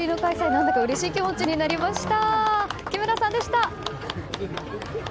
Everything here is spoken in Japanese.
何だかうれしい気持ちになりました。